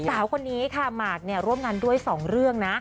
สาวคนนี้ค่ะหมากเนี่ยร่วมงานด้วย๒เรื่องนะ